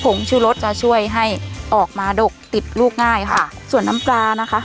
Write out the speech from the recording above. งชื่อรสจะช่วยให้ออกมาดกติดลูกง่ายค่ะส่วนน้ำปลานะคะ